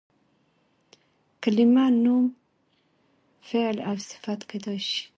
کلیمه نوم، فعل او صفت کېدای سي.